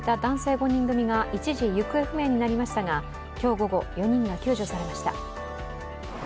５人組が一時行方不明になりましたが今日午後、４人が救助されました。